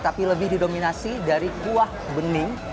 tapi lebih didominasi dari kuah bening